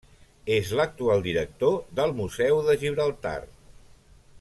És l'actual director del Museu de Gibraltar.